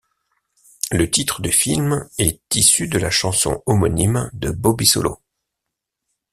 Le titre du film est issu de la chanson homonyme de Bobby Solo.